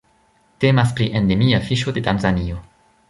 Temas pri endemia fiŝo de Tanzanio.